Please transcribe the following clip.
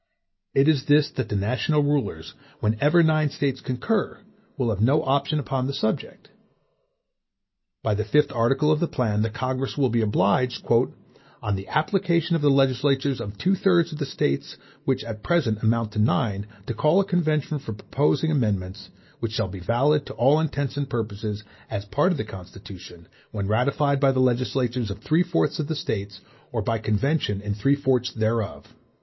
It is this that the national rulers, whenever nine States concur, will have no option upon the subject. By the fifth article of the plan, the Congress will be obliged "on the application of the legislatures of two thirds of the States (which at present amount to nine), to call a convention for proposing amendments, which shall be valid, to all intents and purposes, as part of the Constitution, when ratified by the legislatures of three fourths of the States, or by conventions in three fourths thereof."